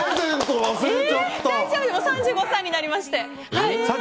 ３５歳になりました。